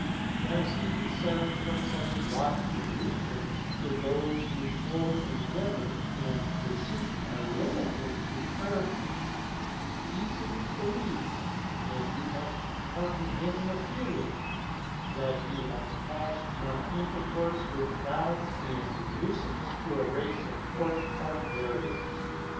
As he descends from such lofty regions to those whose whole endeavor and pursuit are limited to earth, he easily believes and you must pardon him the feeling that he has passed from intercourse with Gods and Muses to a race of coarse barbarians.